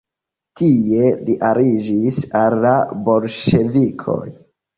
Tie li aliĝis al la Bolŝevikoj.